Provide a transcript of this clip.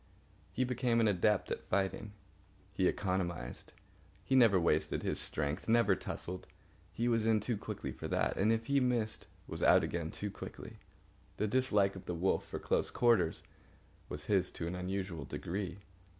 He became an adept at fighting. He economised. He never wasted his strength, never tussled. He was in too quickly for that, and, if he missed, was out again too quickly. The dislike of the wolf for close quarters was his to an unusual degree.